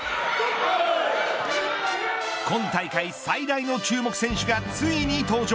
今大会最大の注目選手がついに登場。